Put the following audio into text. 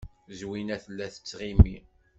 Zwina tella tettɣimi.